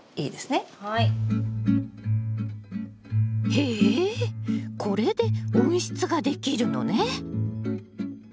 へえこれで温室ができるのね。